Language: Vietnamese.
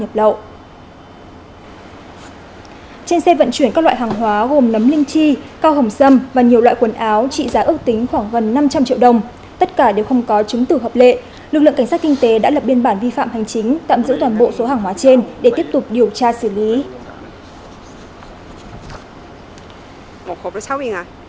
trên xe vận chuyển các loại hàng hóa gồm nấm linh chi cao hồng xâm và nhiều loại quần áo trị giá ước tính khoảng gần năm trăm linh triệu đồng tất cả đều không có chứng tử hợp lệ lực lượng cảnh sát kinh tế đã lập biên bản vi phạm hành chính tạm giữ toàn bộ số hàng hóa trên để tiếp tục điều tra xử lý